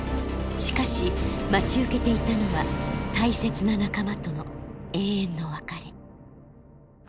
しかし待ち受けていたのは大切な仲間との永遠の別れ。